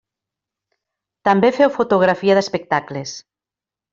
També féu fotografia d'espectacles.